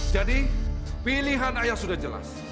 jadi pilihan ayah sudah jelas